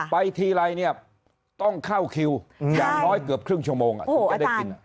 ไปทีละต้องเข้าคิวอย่างร้อยเกือบครึ่งชั่วโมงอ่ะอ่ะ